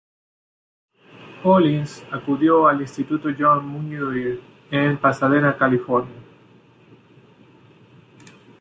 Hollins acudió al instituto John Muir en Pasadena, California.